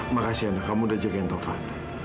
makasih ana kamu udah jagain tovan